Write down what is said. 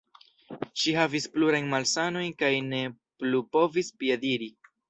Ŝi havis plurajn malsanojn kaj ne plu povis piediri.